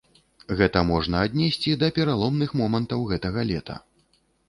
Гэта можна аднесці да пераломных момантаў гэтага лета.